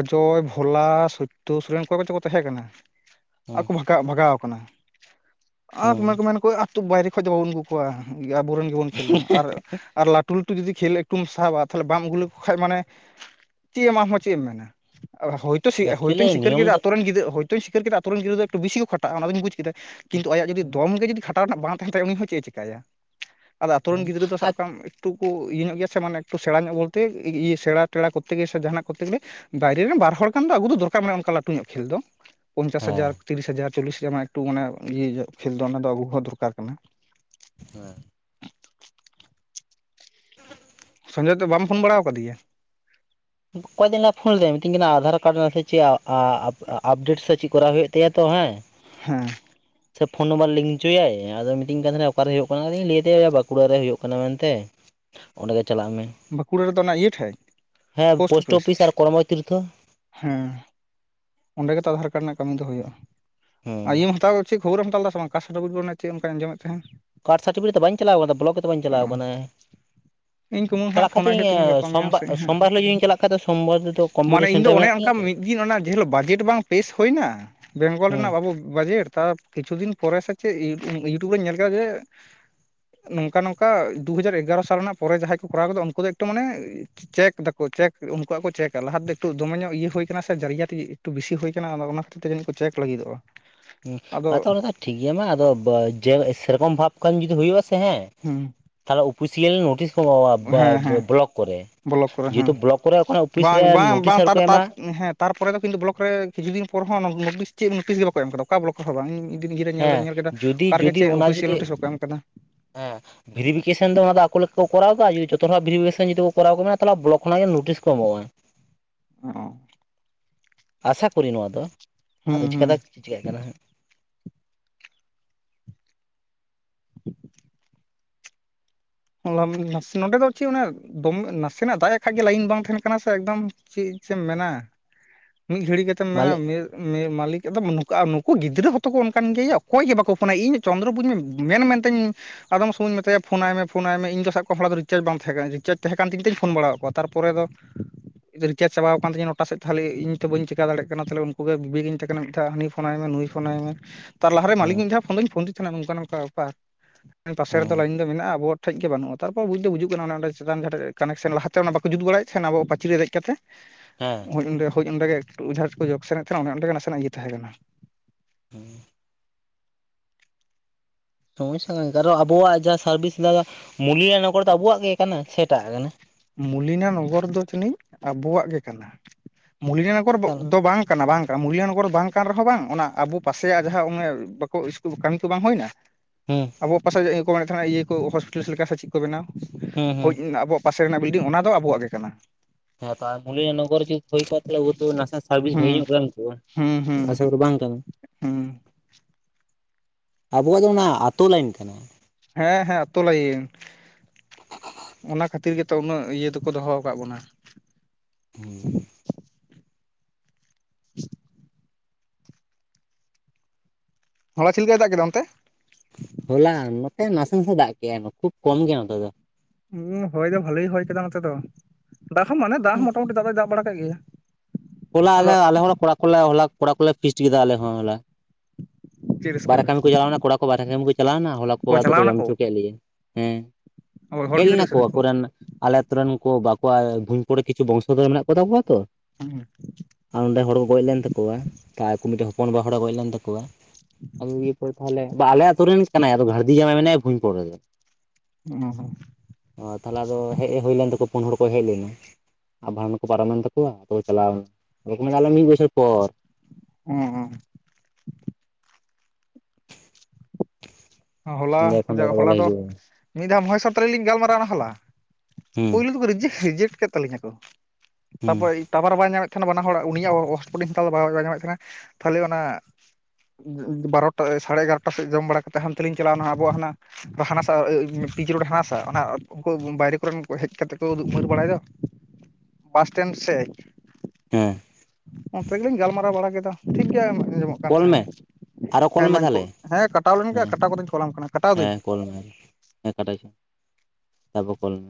ᱚᱡᱚᱭ ᱵᱷᱳᱞᱟ ᱥᱚᱭᱛᱚ ᱥᱚᱨᱮᱱ ᱚᱠᱚᱭ ᱠᱚᱪᱚ ᱠᱚ ᱛᱟᱦᱮᱸ ᱠᱟᱱᱟ ᱦᱮᱸ ᱦᱮᱸ ᱟᱠᱚ ᱵᱷᱟᱜ ᱵᱷᱟᱜᱟᱣ ᱟᱠᱟᱱᱟ ᱟᱨ ᱦᱮᱸ ᱠᱚ ᱢᱟ ᱠᱚ ᱢᱮᱱ ᱟᱠᱚ ᱟᱹᱛᱩ ᱵᱟᱭᱨᱮ ᱠᱷᱚᱡ ᱫᱚ ᱵᱟᱵᱚᱱ ᱟᱹᱜᱩ ᱠᱚᱣᱟ ᱟᱵᱚᱨᱮᱱ ᱜᱮᱵᱚᱱ ᱠᱷᱮᱞᱟ ᱟᱨ ᱞᱟᱹᱴᱩ ᱞᱟᱹᱴᱩ ᱞᱟᱹᱴᱩ ᱡᱩᱫᱤ ᱠᱷᱮᱞ ᱮᱠᱴᱩᱢ ᱥᱟᱵᱟ ᱛᱟᱦᱚᱞᱮ ᱵᱟᱢ ᱟᱜᱩ ᱞᱮᱠᱚ ᱠᱷᱟᱱ ᱢᱟᱱᱮ ᱪᱮᱫ ᱮᱢᱟᱢ ᱦᱚᱸ ᱪᱮᱫ ᱮᱢ ᱢᱮᱱᱟ ᱦᱳᱭᱛᱳᱧ ᱮᱠᱪᱩᱭᱮᱞᱤ ᱥᱤᱠᱟᱹᱨ ᱱᱤᱭᱚᱢ ᱠᱮᱫᱟ ᱫᱚ ᱟᱳ ᱨᱮᱱ ᱜᱤᱫᱽᱟᱹ ᱦᱳᱭᱛᱳᱧ ᱥᱤᱠᱟᱹᱨ ᱠᱮᱫᱟ ᱟᱛᱚ ᱨᱮᱱ ᱜᱤᱫᱽᱨᱟᱹ ᱫᱚ ᱮᱠᱴᱩ ᱵᱤᱥᱤ ᱠᱚ ᱠᱷᱴᱟᱜᱼᱟ ᱚᱱᱟᱫᱚᱩᱧ ᱵᱩᱡ ᱠᱮᱫᱟ ᱠᱤᱱᱛᱩ ᱟᱭᱟᱜ ᱡᱩᱫᱤ ᱫᱚᱢ ᱜᱮ ᱡᱩᱫᱤ ᱠᱷᱟᱴᱟᱣ ᱨᱮᱱᱟᱜ ᱵᱟᱝ ᱛᱟᱦᱮᱱ ᱛᱟᱭᱟ ᱩᱱᱤ ᱦᱚᱸ ᱪᱮᱫ ᱮ ᱪᱮᱤᱠᱟᱭᱟ ᱟᱫᱚ ᱟᱛᱳ ᱨᱮᱱ ᱦᱮᱸ ᱜᱤᱫᱽᱨᱟᱹ ᱫᱚ ᱥᱟᱵ ᱠᱟᱜ ᱢᱮ ᱮᱠᱴᱩ ᱠᱚ ᱤᱭᱟᱹ ᱧᱚᱜ ᱜᱮᱭᱟ ᱥᱮ ᱢᱟᱱᱮ ᱮᱠᱴᱩ ᱥᱮᱬᱟ ᱧᱚᱜ ᱵᱚᱞᱛᱮ ᱥᱮᱬᱟ ᱴᱮᱲᱟ ᱠᱚᱨᱛᱮ ᱜᱮ ᱥᱮ ᱡᱟᱦᱟᱱᱟᱜ ᱠᱚᱨᱛᱮ ᱜᱮ ᱵᱟᱭᱨᱮ ᱨᱮᱱ ᱵᱟᱨ ᱦᱚᱲ ᱜᱟᱱ ᱫᱚ ᱟᱹᱜᱩ ᱫᱚᱨᱠᱟᱨ ᱢᱮᱱᱟᱜᱼᱟ ᱚᱱᱠᱟ ᱞᱟᱹᱴᱩ ᱧᱚᱜ ᱠᱷᱮᱞ ᱫᱚ ᱯᱚᱧᱪᱟᱥ ᱦᱟᱡᱟᱨ ᱦᱮᱸ ᱛᱤᱨᱤᱥ ᱦᱟᱡᱟᱨ ᱪᱚᱞᱤᱥ ᱦᱟᱡᱟᱨ ᱢᱟ ᱮᱠᱴᱩ ᱢᱟᱱᱮ ᱤᱭᱟᱹᱧᱚᱜ ᱠᱷᱮᱞ ᱫᱚ ᱚᱱᱟ ᱟᱹᱜᱩ ᱦᱚᱸ ᱫᱚᱨᱠᱟᱨ ᱠᱟᱱᱟ [inaudible] [inaudible] ᱛᱟᱦᱮᱞᱮ ᱫᱚ ᱵᱟᱢ ᱯᱷᱱ ᱵᱟᱲᱟᱣ ᱟᱠᱟᱫᱮᱭᱟ ᱚᱠᱚᱭ ᱫᱤᱱᱟ ᱫᱤᱱ ᱯᱷᱳᱱ ᱞᱮᱜᱭ ᱢᱤᱛᱟᱹᱧ ᱠᱟᱱᱟ ᱟᱫᱷᱟᱨ ᱠᱟᱨᱰ ᱱᱟᱥᱮ ᱪᱮᱫ ᱟᱯᱰᱮᱴ ᱥᱮ ᱪᱮᱫ ᱠᱚᱨᱟᱣ ᱦᱩᱭᱩᱜᱼᱟ ᱛᱮᱭᱟ ᱛᱚ ᱦᱮᱸ ᱦᱮᱸ ᱥᱮ ᱯᱷᱳᱱ ᱱᱟᱢᱵᱟᱨ ᱞᱤᱝᱠ ᱦᱚᱪᱚᱭᱟᱭ ᱟᱫᱚ ᱢᱤᱛᱟᱹᱧ ᱠᱟᱱ ᱛᱟᱦᱮᱱᱟ ᱚᱠᱮ ᱦᱩᱭᱩᱜ ᱠᱟᱱᱟ ᱟᱫᱚᱧ ᱞᱟᱹᱭ ᱟᱫᱮᱭᱟ ᱵᱟᱸᱠᱩᱲᱟ ᱨᱮ ᱦᱩᱭᱩᱜ ᱠᱟᱱᱟ ᱢᱮᱱᱛᱮ ᱚᱸᱰᱮ ᱜᱮ ᱪᱟᱞᱟᱜ ᱢᱮ ᱵᱟᱸᱠᱩᱲᱟ ᱨᱮᱫᱚ ᱚᱱᱟ ᱤᱭᱟᱹ ᱴᱷᱮᱡ ᱦᱮᱸ ᱯᱳᱥᱴ ᱚᱯᱷᱤᱥ ᱟᱨ ᱠᱚᱨᱢᱚ ᱛᱤᱨᱛᱦᱚ ᱦᱮᱸ ᱚᱸᱰᱮ ᱜᱮᱛᱚ ᱟᱫᱷᱟᱨ ᱠᱟᱨᱰ ᱨᱮᱱᱟᱜ ᱠᱟᱹᱢᱤ ᱫᱚ ᱦᱩᱭᱩᱜᱼᱟ ᱦᱮᱸ ᱟᱨ ᱤᱭᱟᱹᱢ ᱦᱟᱛᱟᱣ ᱪᱮᱫ ᱠᱷᱚᱵᱚᱨᱮ ᱮᱢ ᱦᱟᱛᱟᱣ ᱞᱮᱫᱟ ᱥᱮ ᱵᱟᱝ ᱠᱟᱥᱴᱯᱷᱤᱠᱮᱴ ᱚᱱᱮ ᱪᱮᱫ ᱚᱱᱠᱟᱧᱸᱡᱚᱢ ᱮᱫ ᱛᱟᱦᱮᱱ ᱠᱟᱨᱴ ᱥᱟᱨᱴᱤᱯᱷᱤᱠᱮᱴ ᱫᱚ ᱵᱟᱭᱧ ᱪᱟᱞᱟᱣ ᱟᱠᱟᱫᱟ ᱵᱞᱚᱠ ᱜᱮ ᱛᱚ ᱵᱟᱭᱧ ᱪᱟᱞᱟᱣ ᱟᱠᱟᱱᱟ ᱤᱧ ᱠᱩᱢᱟᱹᱝ ᱦᱟᱸᱜ ᱪᱟᱞᱟᱜ ᱠᱷᱟᱹ ᱯᱷᱳᱱᱟᱭ ᱛᱤᱧ ᱦᱩᱭᱩᱜ ᱛᱤᱧᱟᱹ ᱜᱟᱯᱟ ᱢᱮᱭᱟᱝ ᱥᱢᱵᱟᱨ ᱥᱮᱫ ᱦᱟᱸᱜ ᱥᱳᱢᱵᱟᱨ ᱦᱤᱞᱳᱜ ᱤᱧ ᱪᱟᱞᱟᱜ ᱠᱷᱟᱱ ᱥᱳᱚᱢᱵᱟᱨ ᱨᱮᱫᱚ ᱢᱟᱱᱮ ᱠᱚᱢᱯᱤᱭᱩᱴᱟᱨ ᱤᱧ ᱫᱚ ᱥᱮᱱᱴᱟᱨ ᱚᱱᱮ ᱢᱮᱱᱟᱜ ᱛᱤᱧᱟᱹ ᱚᱱᱠᱟ ᱛᱚ ᱢᱤᱫ ᱫᱤᱱ ᱚᱱᱟ ᱡᱮ ᱦᱮᱞᱚᱜ ᱵᱟᱡᱮᱴ ᱵᱟᱝ ᱯᱮᱥ ᱦᱩᱭᱱᱟ ᱵᱮᱝᱜᱚᱞ ᱦᱩᱸ ᱨᱮᱱᱟᱜ ᱵᱟᱡᱮᱴ ᱛ ᱠᱤᱪᱷᱩ ᱫᱤᱱ ᱯᱚᱨᱮ ᱥᱮ ᱪᱮᱫ ᱤᱭᱩᱴᱩᱵᱧ ᱧᱮᱞ ᱠᱮᱫᱟ ᱡᱮ ᱱᱚᱝᱠᱟ ᱱᱚᱝᱠᱟ ᱫᱩ ᱦᱟᱡᱟᱨ ᱮᱜᱟᱨᱚ ᱥᱟᱞ ᱨᱮᱱᱟᱜ ᱯᱚᱨᱮ ᱡᱟᱦᱟᱸᱭ ᱠᱚ ᱠᱚᱨᱟᱣ ᱠᱮᱫᱟ ᱩᱱᱠᱩ ᱫᱚ ᱮᱠᱴᱩ ᱢᱟᱱᱮ ᱪᱮᱠ ᱫᱟᱠᱚ ᱪᱮᱠ ᱩᱱᱠᱩᱣᱟᱜ ᱠᱚ ᱪᱮᱠ ᱞᱟᱦᱟ ᱫᱚ ᱮᱴᱩ ᱫᱚᱢᱮ ᱧᱚᱜ ᱤᱭᱟᱹ ᱦᱩᱭ ᱟᱠᱟᱱᱟ ᱥᱮ ᱡᱟᱹᱨᱤᱭᱟᱛ ᱛᱮ ᱮᱠᱴᱩ ᱵᱤᱥᱤ ᱦᱩᱭ ᱟᱠᱟᱱᱟ ᱟᱫᱚ ᱚᱱᱟ ᱠᱷᱟᱹᱤᱨ ᱛᱮ ᱡᱟᱹᱱᱤᱡ ᱠᱚ ᱪᱮᱠ ᱞᱟᱹᱜᱤᱫᱚᱜᱼᱟ ᱟᱫᱚ ᱦᱸ ᱟᱛᱚ ᱚᱱᱟ ᱫᱚ ᱴᱷᱤᱠ ᱜᱮᱭᱟ ᱢᱟ ᱟᱫᱚ ᱵᱟᱹ ᱡᱮᱥ ᱥᱮᱨᱚᱠᱚᱢ ᱵᱷᱟᱵ ᱠᱷᱟᱱ ᱡᱩᱫᱤ ᱦᱩᱭᱩᱜᱼᱟ ᱥᱮ ᱦᱮᱸ ᱦᱩᱸ ᱛᱟᱦᱮᱞᱮ ᱚᱯᱷᱤᱥᱤᱭᱟᱞ ᱱᱳᱴᱤᱥ ᱠᱚ ᱦᱮᱸ ᱦᱮᱸ ᱵᱞᱚᱠ ᱠᱚᱨᱮ ᱵᱞᱚᱠ ᱠᱚᱨᱮ ᱦᱮᱸ ᱡᱮᱦᱮᱛᱩ ᱵᱞᱚᱠ ᱠᱚᱨᱮ ᱮᱠᱷᱚᱱᱚ ᱚᱯᱷᱤᱥ ᱨᱮ ᱵᱟᱝ ᱵᱟᱝ ᱱᱳᱴᱤᱥ ᱵᱟᱝ ᱟᱨᱤ ᱛᱟᱨ ᱠᱚ ᱛᱟᱨ ᱮᱢᱟ ᱦᱮᱸ ᱛᱟᱨᱯᱚᱨᱮ ᱫᱚ ᱠᱤᱱᱛᱩ ᱵᱞᱚᱠ ᱨᱮ ᱠᱤᱪᱷᱩ ᱫᱤᱱ ᱯᱚᱨ ᱦᱚᱸ ᱱᱳᱴᱤᱥ ᱪᱮᱫ ᱱᱳᱴᱤᱥ ᱜᱮ ᱵᱟᱠᱚ ᱮᱢ ᱟᱠᱟᱫᱟ ᱚᱠᱟ ᱵᱞᱚᱠ ᱠᱚᱨᱮ ᱦᱚᱸ ᱵᱟᱝ ᱤᱧ ᱢᱤᱫ ᱫᱤᱱ ᱤᱭᱮ ᱨᱮ ᱧᱮᱞ ᱫᱩᱧ ᱦᱮᱸ ᱧᱮᱞ ᱠᱮᱫᱟ ᱚᱠᱟ ᱡᱩᱫᱤ ᱨᱮ ᱜᱮ ᱡᱩᱫᱤ ᱪᱮᱫ ᱚᱱᱟ ᱚᱯᱷᱤᱥᱤᱭᱟᱞ ᱡᱩᱫᱤ ᱱᱳᱴᱤᱥ ᱠᱚ ᱵᱟᱠᱟ ᱮᱢ ᱟᱠᱟᱫᱟ ᱦᱮᱸ ᱵᱷᱮᱨᱤᱯᱷᱤᱠᱮᱥᱚᱱ ᱫᱚ ᱚᱱᱟ ᱫᱚ ᱟᱠᱚ ᱞᱮᱠᱚ ᱠᱚᱨᱟᱣᱮᱫᱟ ᱤᱭᱟᱹ ᱡᱚᱛᱚ ᱦᱚᱲᱟᱜ ᱵᱷᱮᱨᱤᱯᱷᱤᱠᱮᱥᱚᱱ ᱡᱩᱫᱤ ᱠᱚ ᱠᱚᱨᱟᱣ ᱟᱠᱚ ᱢᱟ ᱛᱟᱦᱮ ᱵᱞᱚᱠ ᱠᱷᱚᱱᱟᱜ ᱜᱮ ᱱᱚᱟᱴᱤᱥ ᱠᱚ ᱮᱢᱚᱜᱼᱟ ᱦᱚᱸ ᱟᱥᱟ ᱠᱚᱨᱤ ᱱᱚᱣᱟ ᱫᱚ ᱦᱩᱸ ᱟᱫᱚ ᱦᱩᱸ ᱪᱤᱠᱟᱫᱟᱠ ᱪᱤᱠᱟᱹᱜ ᱠᱟᱱᱟ ᱦᱟᱸᱜ [unintelligible] ᱱᱟᱥᱮ ᱱᱚᱸᱰᱮ ᱫᱚ ᱪᱮᱫ ᱢᱟᱱᱮ ᱫᱚᱢᱮ ᱱᱟᱥᱮᱱᱟᱜ ᱫᱟᱜ ᱞᱮᱠᱦᱟᱡ ᱜᱮ ᱞᱟᱭᱤᱱ ᱵᱟᱝ ᱛᱟᱦᱮᱱ ᱠᱟᱱᱟ ᱥᱮ ᱮᱠᱫᱚᱢ ᱪᱮᱫ ᱪᱮᱢ ᱢᱮᱱᱟ ᱢᱤᱫ ᱜᱷᱟᱹᱲᱤ ᱠᱟᱛᱮᱢ ᱢᱮᱱᱟ ᱢᱟᱞᱮ ᱢᱤᱫ ᱢᱟᱹᱞᱤᱠ ᱮᱠᱫᱚ ᱱᱩᱠᱩ ᱜᱤᱫᱽᱨᱟᱹ ᱦᱚᱸᱛᱚ ᱠᱚ ᱚᱱᱠᱟᱱ ᱜᱮᱭᱟ ᱭᱟ ᱚᱠᱚᱭ ᱜᱮ ᱵᱟᱠᱚ ᱯᱷᱳᱱᱼᱟ ᱤᱧ ᱪᱚᱱᱫᱨ ᱵᱚᱫᱤᱧ ᱢᱮᱱ ᱢᱮᱱᱛᱮᱧ ᱟᱫᱚᱢ ᱥᱚᱢᱩᱧ ᱢᱮᱛᱟᱭᱟ ᱯᱷᱳᱱ ᱟᱭ ᱢᱮ ᱯᱷᱳᱱ ᱟᱭ ᱢᱮ ᱤᱧ ᱫᱚ ᱥᱟᱵ ᱠᱚ ᱦᱚᱲᱟ ᱫᱚ ᱨᱤᱪᱟᱨᱡᱽ ᱵᱟᱝ ᱛᱟᱦᱮᱸ ᱠᱟᱱᱟ ᱨᱤᱪᱟᱨᱡᱽ ᱛᱟᱦᱮᱸ ᱠᱟᱱ ᱛᱮᱜᱮ ᱛᱤᱧ ᱯᱷᱳᱱ ᱵᱟᱲᱟᱣᱟᱫ ᱠᱚᱣᱟ ᱛᱟᱨᱯᱚᱨᱮ ᱫᱚ ᱨᱤᱪᱟᱨᱡᱽ ᱪᱟᱵᱟᱣ ᱠᱟᱱᱟᱱ ᱛᱤᱧᱟᱹ ᱱᱚᱴᱟ ᱥᱮᱫ ᱛᱟᱞᱦᱮ ᱤᱧ ᱵᱟᱹᱧ ᱪᱤᱠᱟᱹ ᱫᱟᱲᱮᱭᱟᱜ ᱠᱟᱱᱟ ᱛᱟᱦᱮᱞᱮ ᱩᱱᱠᱩ ᱜᱮ ᱵᱤᱜᱮᱧ ᱢᱮᱛᱟ ᱠᱟᱱᱟ ᱢᱤᱫᱷᱟᱣ ᱦᱟᱹᱱᱤ ᱯᱷᱳᱱ ᱟᱭ ᱢᱮ ᱱᱩᱭ ᱯᱷᱳᱱᱟᱭ ᱢᱮ ᱛᱟᱨ ᱞᱟᱦᱟᱨᱮ ᱢᱟᱹᱞᱤᱠ ᱦᱮᱸ ᱜᱮ ᱢᱤᱫᱷᱟᱣ ᱠᱷᱳᱱ ᱫᱚ ᱯᱷᱳᱱᱫᱮ ᱛᱟᱦᱮᱱᱟ ᱱᱚᱝᱠᱟ ᱱᱚᱝᱠᱟ ᱵᱮᱯᱟᱨ ᱯᱟᱥᱮ ᱨᱮᱫᱚ ᱦᱮᱸ ᱞᱟᱭᱤᱱ ᱫᱚ ᱢᱮᱱᱟᱜᱼᱟ ᱟᱵᱚᱣᱟᱜ ᱴᱦᱮᱡ ᱜᱮ ᱵᱟᱹᱱᱩᱜ ᱛᱟᱨ ᱯᱚᱨᱮ ᱵᱩᱡᱽ ᱫᱚ ᱵᱩᱡᱩᱜ ᱚᱱᱟ ᱚᱱᱮ ᱚᱱᱰᱮ ᱪᱮᱛᱟᱱ ᱜᱦᱟᱴ ᱨᱮ ᱠᱟᱱᱮᱠᱥᱮᱱ ᱞᱟᱦᱟᱛᱮ ᱚᱱᱟ ᱵᱟ ᱠᱚ ᱡᱩᱛ ᱵᱟᱲᱟᱭᱮᱫ ᱛᱟᱦᱮᱱᱟ ᱟᱵᱚᱣᱟᱜ ᱯᱟᱪᱤᱨᱤ ᱨᱮ ᱫᱮᱡ ᱠᱟᱛᱮ ᱦᱮᱸ [unintelligible] ᱦᱮᱸ ᱦᱳᱭ ᱚᱸᱰᱮ ᱦᱳᱭ ᱚᱸᱰᱮ ᱜᱮ ᱮᱠᱩᱡᱷᱟ ᱠᱚ ᱡᱚᱜᱽ ᱥᱟᱱᱟᱮᱫ ᱛᱟᱦᱮᱱᱟ ᱸ ᱚᱸᱰᱮ ᱱᱟᱥᱮᱱᱟᱜ ᱜᱮ ᱛᱟᱦᱮᱸ ᱠᱟᱱᱟ ᱦᱩᱸ ᱥᱚᱢᱚᱭᱥᱟ ᱵᱟᱝ ᱠᱟᱨᱚᱱ ᱟᱵᱚᱣᱟᱜ ᱡᱟᱦᱟᱸ ᱥᱟᱨᱵᱷᱤᱥ ᱫᱟ ᱢᱩᱞᱤᱭ ᱚᱱᱟ ᱠᱚ ᱫᱚ ᱟᱵᱚᱣᱟᱜ ᱜᱮ ᱠᱟᱱᱟ ᱥᱮ ᱮᱴᱟᱜ ᱠᱟᱱᱟ ᱢᱩᱞᱤᱱᱟ ᱱᱚᱜᱚᱨ ᱫᱚ ᱡᱟᱹᱱᱤᱡ ᱟᱵᱚᱣᱟᱜ ᱜᱮ ᱠᱟᱱᱟ ᱢᱩᱞᱤᱱᱟ ᱱᱚᱜᱚᱨ ᱦᱩᱸ ᱫᱚ ᱵᱟᱝ ᱠᱟᱱᱟ ᱵᱟᱝ ᱠᱟᱱᱟ ᱢᱩᱞᱟᱱᱜᱚᱨ ᱵᱟᱝ ᱠᱟᱱ ᱨᱮᱦᱚᱸ ᱵᱟᱝ ᱚᱱᱟ ᱟᱵᱚ ᱯᱟᱥᱮᱭᱟᱜ ᱡᱟᱦᱟᱸ ᱚᱱᱮ ᱵᱟᱠᱚ ᱤᱥᱩᱞ ᱠᱟᱹᱢᱤ ᱠᱚ ᱵᱟᱝ ᱦᱩᱭᱮᱱᱟ ᱻ ᱦᱮᱸ ᱟᱵᱚᱣᱟᱜ ᱯᱟᱥᱮ ᱤᱭᱟᱹ ᱠᱚ ᱢᱮᱱᱮᱫ ᱛᱟᱦᱮᱱᱟ ᱤᱭᱟᱹ ᱠᱚ ᱦᱚᱥᱯᱤᱴᱟᱞ ᱞᱮᱠᱟ ᱥᱮ ᱪᱮᱫ ᱠᱚ ᱵᱮᱱᱟᱣ ᱦᱩᱸ ᱦᱳᱭ ᱮᱱᱟ ᱟᱵᱚᱣᱟᱜ ᱨᱮᱱᱟᱜ ᱵᱤᱞᱰᱤᱝ ᱚᱱᱟ ᱫᱚ ᱟᱵᱚᱣᱟᱜ ᱜᱮ ᱠᱟᱱᱟ ᱦᱮᱸ ᱛᱚ ᱢᱩᱞᱤᱱᱟ ᱱᱚᱜᱚᱨ ᱡᱩᱫᱤ ᱦᱩᱭ ᱱᱟᱥᱮᱱᱟᱜ ᱥᱟᱨᱵᱤᱥ ᱮᱢ ᱦᱩᱸ ᱠᱚᱜ ᱟ ᱦᱩᱸ ᱦᱩᱸ ᱦᱩᱸ ᱟᱵᱚᱣᱟᱜ ᱫᱚ ᱚᱱᱟ ᱟᱛᱳ ᱞᱟᱭᱤᱱ ᱠᱟᱱᱟ ᱦᱮᱸ ᱦᱮᱸᱟᱛᱳ ᱞᱟᱹᱭᱤᱱ ᱚᱱᱟ ᱠᱷᱟᱹᱛᱤᱨ ᱜᱮᱛᱚ ᱩᱱᱟᱹᱜ ᱤᱭᱟᱹ ᱫᱚᱠᱚ ᱫᱚᱦᱚᱣ ᱟᱠᱟᱫ ᱵᱚᱱᱟ ᱦᱩᱸ ᱻ ᱦᱚᱞᱟ ᱪᱮᱫ ᱞᱤᱠᱟᱭ ᱫᱟᱜ ᱠᱮᱫᱟ ᱚᱱᱛᱮ ᱦᱚᱞᱟ ᱱᱚᱛᱮ ᱱᱟᱥᱮ ᱱᱟᱥᱮ ᱫᱟᱜ ᱠᱮᱫᱮᱜᱼᱟ ᱠᱷᱩᱵ ᱠᱚᱢ ᱜᱮᱭᱟ ᱱᱚᱛᱮ ᱫᱚ ᱦᱩᱸ ᱦᱚᱭ ᱫᱚ ᱵᱷᱟᱞᱮ ᱦᱚᱭ ᱠᱮᱫᱟ ᱱᱚᱛᱮ ᱫᱚ ᱫᱟᱜ ᱦᱚᱸ ᱢᱟᱱᱮ ᱫᱟᱜ ᱦᱚᱸ ᱢᱚᱴᱟᱢᱩᱴᱤ ᱫᱟᱜ ᱮᱭ ᱫᱟ ᱵᱟᱲᱟ ᱠᱮᱫ ᱜᱮᱭᱟᱹ ᱦᱚᱞᱟᱹ ᱟᱞᱮ ᱟᱞᱮᱦᱚᱸ ᱠᱚᱲᱟ ᱠᱚᱞᱮ ᱦᱚ ᱠᱚᱲᱟ ᱠᱚᱞᱮ ᱯᱷᱤᱥᱴ ᱠᱮᱫᱟ ᱟᱞᱮ ᱦᱚᱸ ᱦᱚᱞᱟ ᱪᱮᱫ ᱨᱟᱹᱥᱠᱟᱹ ᱵᱟᱨᱮ ᱨᱮ ᱠᱟᱹᱢᱤ ᱠᱚ ᱪᱟᱞᱟᱣᱮᱱᱟ ᱠᱚᱲᱟ ᱠᱚ ᱵᱟᱦᱟ ᱠᱟᱹᱢᱤ ᱠᱚ ᱪᱟᱞᱟᱣᱮᱱᱟ ᱦᱚᱞᱟ ᱠᱚ ᱚ ᱟᱫᱚ ᱠᱚ ᱪᱟᱞᱟᱣ ᱡᱚᱢ ᱦᱚᱪᱚ ᱱᱟᱠᱚ ᱠᱮᱫ ᱞᱮᱭᱟ ᱦᱮᱸ ᱦᱳᱭ ᱦᱚᱲ ᱦᱮᱡ ᱞᱮᱱᱟ ᱜᱤᱫᱽᱨᱟᱹ ᱥᱮ ᱠᱚ ᱫᱤᱠᱩ ᱟᱠᱚᱨᱮᱱ ᱟᱞᱮ ᱟᱛᱩ ᱨᱮᱱ ᱠᱚ ᱵᱟᱠᱩ ᱵᱷᱩᱧ ᱯᱩᱨ ᱨᱮ ᱠᱤᱪᱷᱩ ᱵᱚᱝᱥᱚᱫᱚᱨ ᱢᱮᱱᱟᱜ ᱠᱚᱛᱟ ᱠᱚᱣᱟ ᱛᱚ ᱦᱮᱸ ᱟᱨ ᱚᱸᱰᱮ ᱦᱚᱲ ᱠᱚ ᱜᱚᱡ ᱞᱮᱱ ᱛᱟᱠᱚᱣᱟ ᱛᱟ ᱟᱠᱚ ᱢᱤᱫᱴᱮᱱ ᱦᱚᱯᱚᱱ ᱵᱟ ᱦᱚᱲ ᱮ ᱜᱚᱡ ᱞᱮᱱ ᱛᱟᱠᱚᱣᱟ ᱟᱫᱚ ᱤᱭᱟᱹ ᱯᱚᱨᱮ ᱛᱟᱦᱚᱞᱮ ᱵᱟᱹ ᱟᱞᱮ ᱟᱞ ᱟᱹᱛᱩ ᱨᱮᱱ ᱠᱟᱱᱟᱭ ᱟᱫᱚ ᱜᱷᱟᱲᱫᱤ ᱡᱟᱶᱟᱭ ᱢᱮᱱᱟᱭᱟ ᱵᱷᱳᱧᱯᱩᱨ ᱨᱮᱜᱮ ᱚ ᱚ ᱛᱟᱦᱚᱞᱮ ᱫᱚ ᱦᱮᱡᱽ ᱦᱩᱭ ᱞᱮᱱ ᱛᱟᱠᱚ ᱯᱩᱱ ᱦᱚᱲ ᱠᱚ ᱦᱮᱡᱽ ᱞᱮᱱᱟ ᱟᱵᱷᱟ ᱠᱚ ᱯᱟᱨᱚᱢᱮᱱ ᱛᱟᱠᱚᱣᱟ ᱟᱫᱚ ᱠᱚ ᱪᱟᱞᱟᱣ ᱮᱱᱟ ᱟᱫᱚ ᱠᱚ ᱢᱮ ᱢᱤᱫ ᱵᱚᱪᱷᱚᱨ ᱯᱚᱨ ᱚᱸᱼ ᱚᱸ ᱢᱮᱱᱫᱟᱭ ᱦᱚᱞᱟ ᱮᱠᱷᱚᱱ ᱡᱟ ᱦᱚᱞᱟ ᱵᱟᱞᱮ ᱫᱚ ᱦᱤᱡᱩᱜᱼᱟ ᱢᱤᱫ ᱫᱷᱟᱣ ᱢᱚᱥ ᱛᱟᱞᱤ ᱞᱤᱧ ᱜᱟᱞᱢᱟᱨᱟᱣ ᱞᱮᱱᱟ ᱦᱚᱞᱟ ᱦᱩᱸ ᱯᱳᱭᱞᱳ ᱫᱚᱠᱚ ᱨᱤᱡᱮᱠᱴ ᱠᱮᱫ ᱛᱟᱹᱞᱤᱧᱟ ᱠᱚ ᱦᱩᱸ ᱛᱟᱯᱚᱨ ᱴᱟᱣᱟᱨ ᱵᱟᱭ ᱧᱟᱢᱮᱫ ᱛᱟᱦᱮᱱᱟ ᱵᱟᱱᱟ ᱦᱚᱲᱟᱜ ᱩᱱᱤᱭᱟᱜ ᱦᱚᱥᱯᱚᱴ ᱦᱟᱛᱟᱣ ᱫᱚ ᱵᱟᱭ ᱧᱟᱢᱮᱫ ᱛᱟᱦᱮᱱᱟ ᱛᱟᱞᱚᱞᱮ ᱚᱱᱟ ᱵᱟᱨᱚᱴᱟ ᱥᱟᱲᱮ ᱮᱜᱟᱨᱚᱴᱟ ᱥᱮᱫ ᱡᱚᱢ ᱵᱟᱲᱟ ᱠᱟᱛᱮᱫ ᱦᱟᱱᱛᱮᱞᱤᱧ ᱪᱟᱞᱟᱣᱱᱟ ᱟᱵᱚᱣᱟᱜ ᱦᱟᱱᱟ ᱵᱟ ᱦᱟᱱᱟᱥᱟ ᱯᱤᱪ ᱨᱳᱴ ᱦᱟᱱᱟᱥᱟ ᱚᱱᱟ ᱩᱱᱠᱩ ᱵᱟᱭᱨᱮ ᱠᱚᱨᱮᱱ ᱠᱚ ᱦᱮᱡ ᱠᱟᱛᱮᱫ ᱠᱚ ᱩᱫᱜ ᱩᱢᱟᱹᱨ ᱵᱟᱲᱟᱭ ᱫᱚ ᱵᱟᱥᱴᱮᱱᱰ ᱥᱮᱫ ᱦᱮᱸ ᱚᱱᱛᱮ ᱜᱮᱞᱤᱧ ᱜᱟᱞᱢᱟᱨᱟᱣ ᱵᱟᱲᱟ ᱠᱮᱫᱟ ᱴᱷᱤᱠ ᱜᱮᱭᱟ ᱟᱸᱡᱚᱢᱚᱜᱼᱟ ᱠᱚᱞ ᱢᱮ ᱛᱟᱦᱮᱸᱱᱟ ᱟᱨᱚ ᱠᱚᱞ ᱦᱮᱸ ᱢᱮ ᱢᱟᱧ ᱛᱟᱦᱚᱞᱮ ᱦᱮᱸ ᱠᱟᱴᱟᱣ ᱞᱮᱱ ᱜᱮ ᱦᱮᱸ ᱠᱟᱴᱟᱣ ᱠᱟᱛᱮᱧ ᱠᱚᱞᱟᱢ ᱠᱟᱱᱟ ᱠᱟᱴᱟᱣ ᱫᱟᱹᱧ ᱦᱮᱸ ᱠᱚᱞ ᱢᱮ ᱦᱮᱸ ᱠᱟᱴᱟᱭ ᱛᱟᱯᱚᱨ ᱠᱚᱞ ᱢᱮ